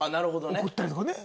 送ったりとかね。